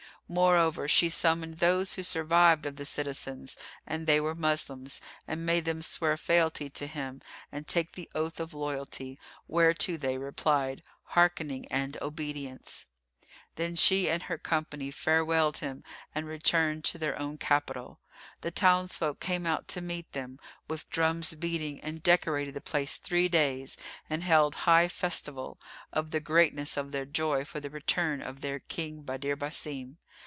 Moreover, she summoned those who survived of the citizens (and they were Moslems), and made them swear fealty to him and take the oath of loyalty, whereto they replied, "Hearkening and obedience!" Then she and her company farewelled him and returned to their own capital. The townsfolk came out to meet them, with drums beating, and decorated the place three days and held high festival, of the greatness of their joy for the return of their King Badr Basim.